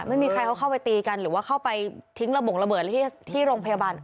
ไม่มีใครเขาเข้าไปตีกันหรือว่าเข้าไปทิ้งระบงระเบิดที่โรงพยาบาล